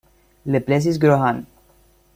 Le Plessis-Grohan